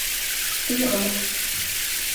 Туйға.